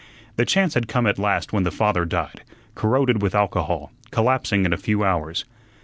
The chance had come at last when the father died, corroded with alcohol, collapsing in a few hours.